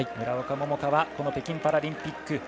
村岡桃佳はこの北京パラリンピック